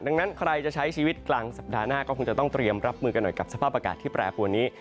ดังนั้นใครจะใช้ชีวิตกลางสัปดาห์หน้าก็คงจะต้องเตรียมรับมือกันหน่อยกับสภาพอากาศที่แปรปวนนี้